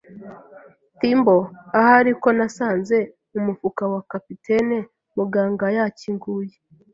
thimble, ahari, ko nasanze mumufuka wa capitaine. Muganga yakinguye